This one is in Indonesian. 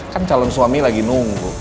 kan calon suami lagi nunggu